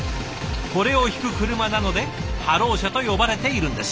これを引く車なのでハロー車と呼ばれているんです。